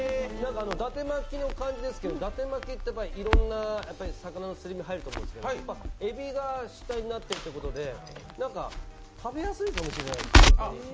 だて巻きの感じですけどだて巻きっていろんな魚のすり身が入ると思うんですけどえびが主体になってるということで、食べやすいかもしれない。